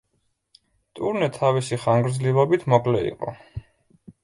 ტურნე თავისი ხანგრძლივობით მოკლე იყო.